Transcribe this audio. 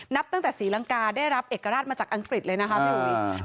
นับตั้งแต่ศรีลังกาได้รับเอกราชมาจากอังกฤษเลยนะคะพี่อุ๋ย